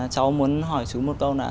cháu muốn hỏi chú một câu là